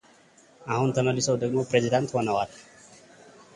አሁን ተመልሰው ደግሞ ፕሬዝዳንት ሆነዋል።